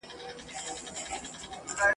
چیغه به سو، دار به سو، منصور به سو، رسوا به سو !.